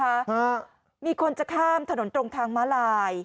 ฮะมีคนจะข้ามถนนตรงทางม้าลาย